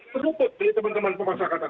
terluput dari teman teman pemasarakatan